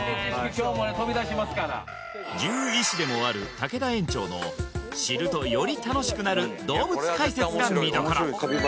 今日も飛び出しますから獣医師でもある竹田園長の知るとより楽しくなる動物解説が見どころ